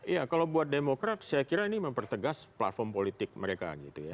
iya kalau buat demokrat saya kira ini mempertegas platform politik mereka